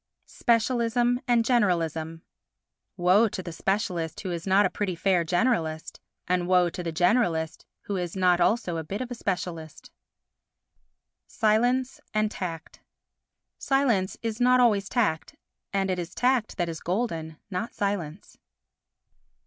Specialism and Generalism Woe to the specialist who is not a pretty fair generalist, and woe to the generalist who is not also a bit of a specialist. Silence and Tact Silence is not always tact and it is tact that is golden, not silence.